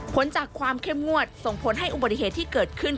ผลจากความเข้มงวดส่งผลให้อุบัติเหตุที่เกิดขึ้น